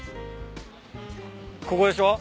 ここでしょ？